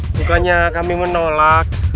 bukannya kami menolak